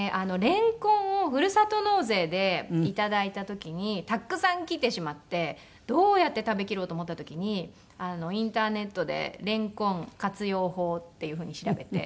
レンコンをふるさと納税で頂いた時にたくさん来てしまってどうやって食べきろうと思った時にインターネットでレンコン活用法っていうふうに調べて。